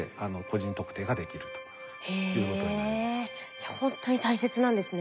じゃあほんとに大切なんですね